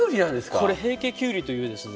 これ平家きゅうりというですね